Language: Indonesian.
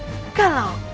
jikalau kau bebas